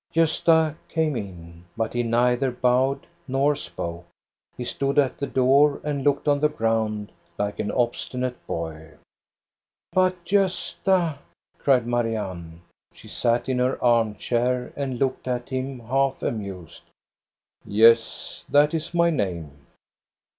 Gosta came in ; but he neither bowed nor spoke. He stood at the door and looked on the ground like an obstinate boy. " But, Gosta !" cried Marianne. She sat in her arm chair and looked at him half amused. " Yes, that is my name."